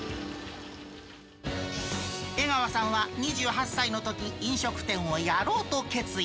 江川さんは２８歳のとき、飲食店をやろうと決意。